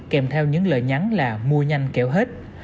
kèm theo những lời nhắn là mua nhanh kẹo hết